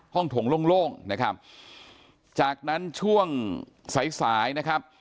ถงโล่งโล่งนะครับจากนั้นช่วงสายสายนะครับ